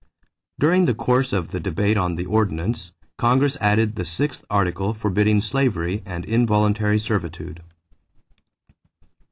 During the course of the debate on the Ordinance, Congress added the sixth article forbidding slavery and involuntary servitude.